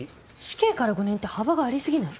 死刑から５年って幅があり過ぎない？